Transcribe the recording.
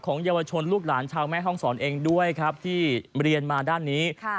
เยาวชนลูกหลานชาวแม่ห้องศรเองด้วยครับที่เรียนมาด้านนี้